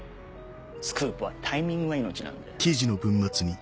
スクープはタイミングが命なんで。